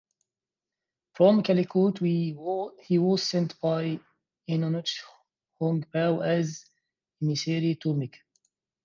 From Calicut, he was sent by Eununch Hong Bao as emissary to Mecca.